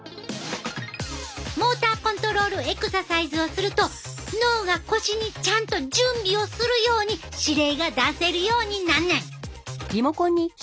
モーターコントロールエクササイズをすると脳が腰にちゃんと準備をするように指令が出せるようになんねん！